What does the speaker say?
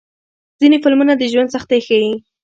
ځینې فلمونه د ژوند سختۍ ښيي.